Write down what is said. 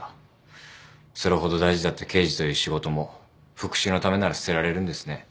それほど大事だった刑事という仕事も復讐のためなら捨てられるんですね。